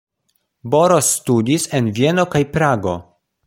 Boros studis en Vieno kaj Prago.